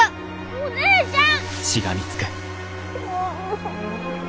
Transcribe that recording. お姉ちゃん！